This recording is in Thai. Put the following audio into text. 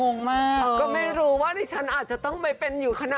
เออนี่คือการต่อผ้าหรือการจีบกัน